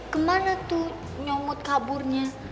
kemana tuh nyomot kaburnya